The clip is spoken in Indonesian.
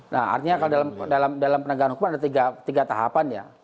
nah artinya kalau dalam penegakan hukum ada tiga tahapan ya